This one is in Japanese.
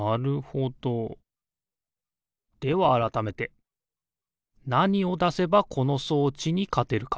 ではあらためてなにをだせばこの装置にかてるか？